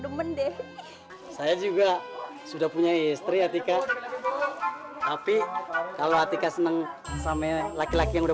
demen deh saya juga sudah punya istri atika tapi kalau atika senang sama laki laki yang udah